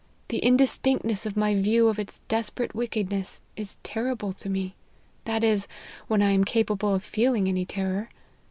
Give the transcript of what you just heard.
The indistinctness of my view of its desperate wickedness is terrible to me, that is, when I am capable of feeling any terror.